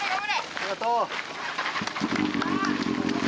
ありがとう。